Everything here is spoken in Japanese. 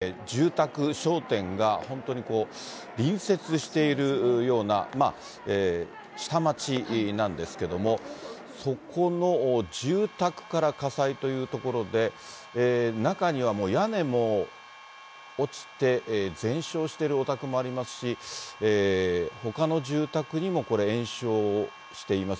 この西成区の天下茶屋東ですが、この辺りはご覧のように、住宅、商店が本当に隣接しているような下町なんですけども、そこの住宅から火災というところで、中にはもう屋根も落ちて、全焼しているお宅もありますし、ほかの住宅にもこれ、延焼しています。